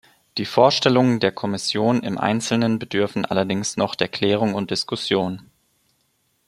Die Vorstellungen der Kommission im einzelnen bedürfen allerdings noch der Klärung und Diskussion.